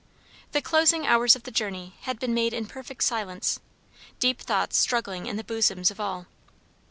The closing hours of the journey had been made in perfect silence, deep thoughts struggling in the bosoms of all.